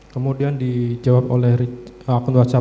kemudian dijawab oleh akun whatsapp